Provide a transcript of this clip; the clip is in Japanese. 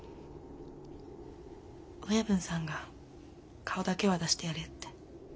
親分さんが「顔だけは出してやれ」って。